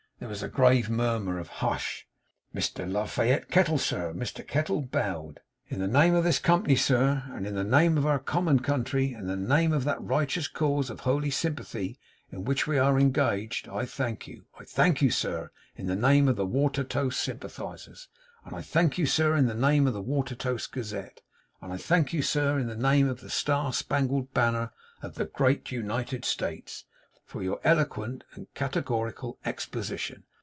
There was a grave murmur of 'Hush!' 'Mr La Fayette Kettle! Sir!' Mr Kettle bowed. 'In the name of this company, sir, and in the name of our common country, and in the name of that righteous cause of holy sympathy in which we are engaged, I thank you. I thank you, sir, in the name of the Watertoast Sympathisers; and I thank you, sir, in the name of the Watertoast Gazette; and I thank you, sir, in the name of the star spangled banner of the Great United States, for your eloquent and categorical exposition.